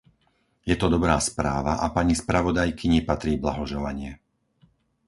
Je to dobrá správa a pani spravodajkyni patrí blahoželanie.